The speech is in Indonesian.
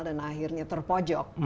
dan akhirnya terpojok